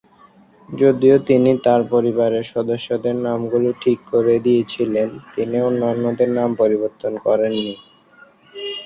যদিও তিনি তার পরিবারের সদস্যদের নামগুলো ঠিক করে দিয়েছিলেন, তিনি অন্যান্যদের নাম পরিবর্তন করেন নি।